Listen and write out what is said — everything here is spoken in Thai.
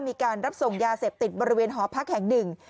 มีการรับส่งยาเสพติดบริเวณหอพักแห่งหนึ่ง